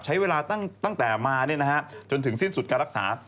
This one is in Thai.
ใช้เวลาตั้งแต่มาจนถึงสิ้นสุดการรักษา